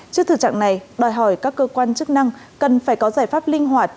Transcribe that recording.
trước thử trạng này đòi hỏi các cơ quan chức năng cần phải có giải pháp linh hoạt